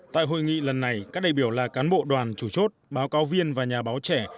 tại hội nghị lần này các đại biểu là cán bộ đoàn chủ chốt báo cáo viên và nhà báo trẻ